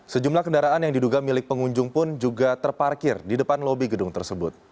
sejumlah kendaraan yang diduga milik pengunjung pun juga terparkir di depan lobi gedung tersebut